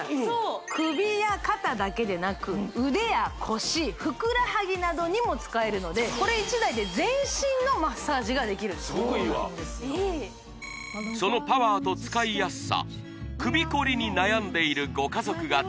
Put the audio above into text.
首や肩だけでなく腕や腰ふくらはぎなどにも使えるのでこれ１台で全身のマッサージができるんですすごくいいわいいそのパワーと使いやすさ